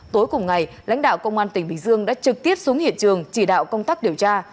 tối cùng ngày lãnh đạo công an tỉnh bình dương đã trực tiếp xuống hiện trường chỉ đạo công tác điều tra